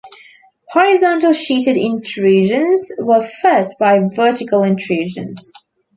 Horizontal sheeted intrusions were fed by vertical intrusions.